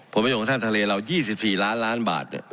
ผลประโยชน์ทางทะเลเรายี่สิบสี่ล้านล้านบาทเนี่ย